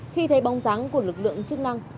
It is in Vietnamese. khi thấy bóng rắn của lực lượng chức năng